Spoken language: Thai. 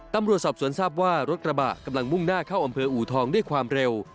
ตำรวจสอบสวนทราบว่ารถกระบะกำลังมุ่งหน้าเข้าอำเภออูทองด้วยความเร็ว